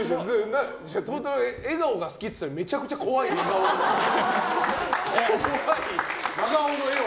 柊太朗笑顔が好きって言ったのにめちゃくちゃ怖い似顔絵に。